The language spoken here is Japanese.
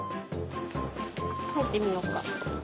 入ってみようか。